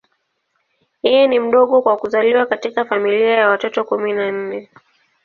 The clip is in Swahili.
Yeye ni mdogo kwa kuzaliwa katika familia ya watoto kumi na nne.